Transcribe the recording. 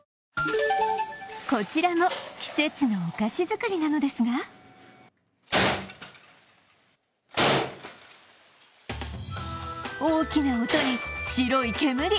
こちらも、季節のお菓子作りなのですが大きな音に、白い煙。